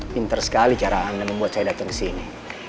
pintar sekali cara anda membuat saya datang ke sini